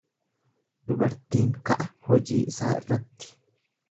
Dubartiin ka'a hojii isaa irratti.